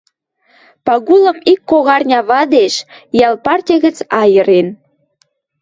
Пагулым ик когарня вадеш, йӓл партьы гӹц айырен